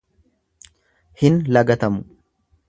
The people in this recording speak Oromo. Hin lagatamu.